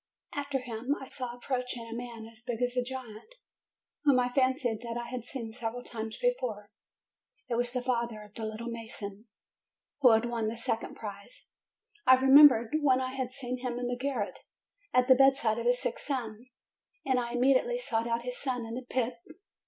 After him I saw approaching a man as big as a giant, whom I fancied that I had seen several times before. It was the father of the "little THE DISTRIBUTION OF PRIZES 325 mason," who had won the second prize. I remem bered when I had seen him in the garret, at the bedside of his sick son, and I immediately sought out his son in the pit.